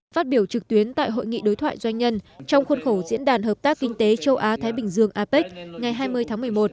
phát biểu trực tuyến tại hội nghị đối thoại doanh nhân trong khuôn khổ diễn đàn hợp tác kinh tế châu á thái bình dương apec ngày hai mươi tháng một mươi một